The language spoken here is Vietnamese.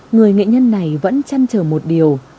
người nghệ nhân này vẫn chăn chờ một điều